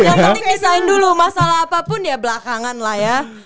yang penting desain dulu masalah apapun ya belakangan lah ya